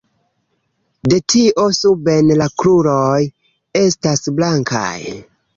De tio suben la kruroj estas blankaj.